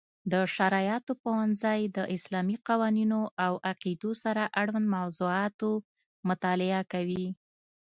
د شرعیاتو پوهنځی د اسلامي قوانینو او عقیدو سره اړوند موضوعاتو مطالعه کوي.